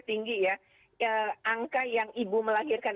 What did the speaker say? tinggi ya angka yang ibu melahirkan